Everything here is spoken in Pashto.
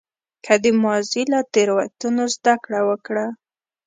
که د ماضي له تېروتنو زده کړه وکړه.